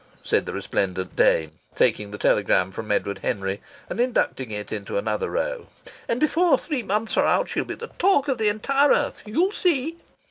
said the resplendent dame, taking the telegram from Edward Henry and inducting it into another row. "And before three months are out she'll be the talk of the entire earth. You'll see!"